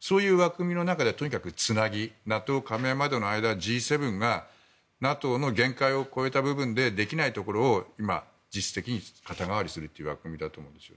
そういう枠組みの中でとにかくつなぎＮＡＴＯ加盟までの間、Ｇ７がＮＡＴＯの限界を超えた部分でできないところを今、実質的に肩代わりするという枠組みだと思うんです。